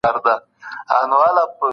د طبیعي منابعو ګټه اخیستنه مهمه ده.